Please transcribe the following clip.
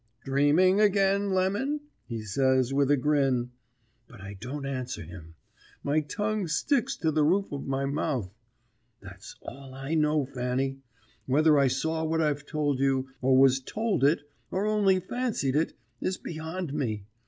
"Dreaming agin, Lemon?" he says, with a grin. But I don't answer him; my tongue sticks to the roof of my mouth. That's all I know, Fanny. Whether I saw what I've told you, or was told it, or only fancied it, is beyond me.